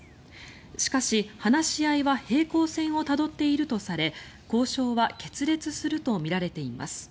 しかし、話し合いは平行線をたどっているとされ交渉は決裂するとみられています。